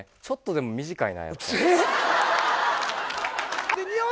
ちょっとでも短いなやっぱり。